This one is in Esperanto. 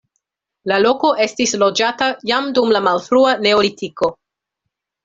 La loko estis loĝata jam dum la malfrua neolitiko.